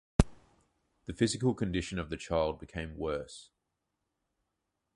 The physical condition of the child become worse.